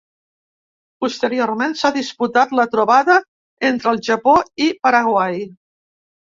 Posteriorment s’ha disputat la trobada entre el Japó i Paraguai.